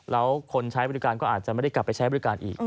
แล้วคนใช้บริษัทรถทัวร์ก็อาจจะไม่ได้กลับไปใช้บริษัทรถทัวร์อีก